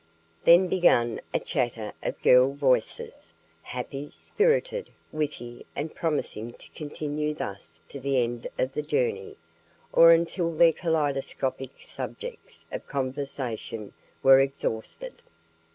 Then began a chatter of girl voices happy, spirited, witty, and promising to continue thus to the end of the journey, or until their kaleidoscopic subjects of conversation were exhausted.